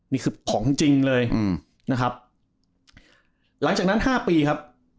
นี่คือของจริงเลยอืมนะครับหลังจากนั้นห้าปีครับ